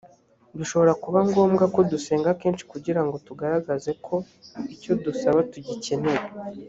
bishobora kuba ngombwa ko dusenga kenshi kugira ngo tugaragaze ko icyo dusaba tugikeneye.